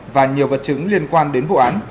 và nhiều vật chứng liên quan đến vụ án